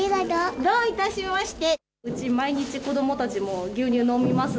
どういたしまして。